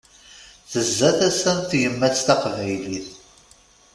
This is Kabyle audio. Tezza tasa n tyemmat taqbaylit.